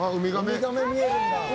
ウミガメ見えるんだ。